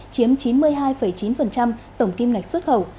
chiếm chín mươi hai chín tổng kim ngạch xuất khẩu